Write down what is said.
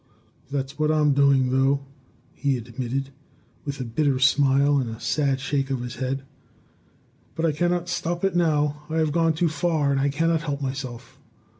That is what I am doing, though," he admitted, with a bitter smile and a sad shake of his head. "But I cannot stop it now. I have gone too far, and I cannot help myself.